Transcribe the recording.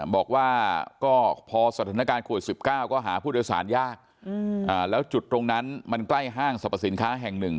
บอกว่าก็พอสถานการณ์โควิด๑๙ก็หาผู้โดยสารยากแล้วจุดตรงนั้นมันใกล้ห้างสรรพสินค้าแห่งหนึ่ง